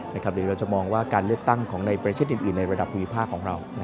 หรือเราจะมองว่าการเลือกตั้งของในประเทศอื่นในระดับภูมิภาคของเรา